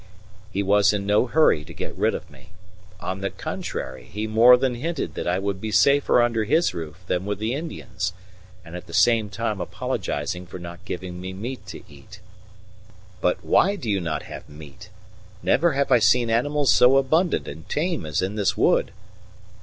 He was in no hurry to get rid of me. On the contrary, he more than hinted that I would be safer under his roof than with the Indians, at the same time apologizing for not giving me meat to eat. "But why do you not have meat? Never have I seen animals so abundant and tame as in this wood."